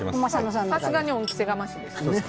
さすがに恩着せがましいです。